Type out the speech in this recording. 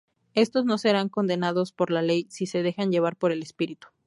Estos no serán condenados por la ley si se dejan llevar por el Espíritu.